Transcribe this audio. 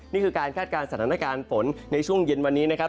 นี่คือการคาดการณ์สถานการณ์ฝนในช่วงเย็นวันนี้นะครับ